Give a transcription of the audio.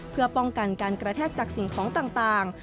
เพื่อป้องกันการกระแทกจากสิ่งของต่าง